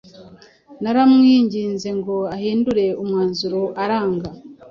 Naramwinginze ngo ahindure umwanzuro aranga.